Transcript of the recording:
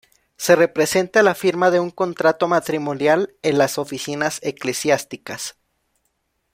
Se representa la firma de un contrato matrimonial en las oficinas eclesiásticas.